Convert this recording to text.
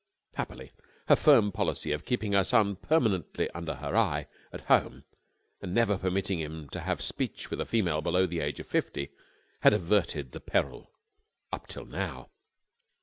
Happily, her firm policy of keeping her son permanently under her eye at home and never permitting him to have speech with a female below the age of fifty had averted the peril up till now.